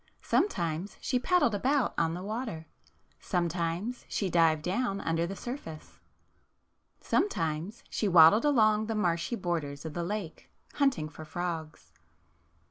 Sometimes she paddled about on the water. Sometimes she dived down under the surface. Sometimes she waddled along the marshy borders of the lake hunt ing for frogs.